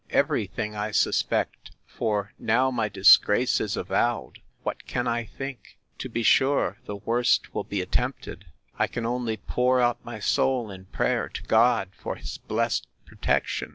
—Every thing I suspect; for, now my disgrace is avowed, what can I think!—To be sure, the worst will be attempted! I can only pour out my soul in prayer to God, for his blessed protection.